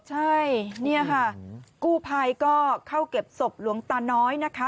ใช่นี่ค่ะกู้ภัยก็เข้าเก็บศพหลวงตาน้อยนะคะ